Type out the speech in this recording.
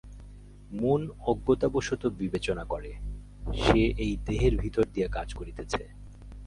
মন অজ্ঞতাবশত বিবেচনা করে, সে এই দেহের ভিতর দিয়া কাজ করিতেছে।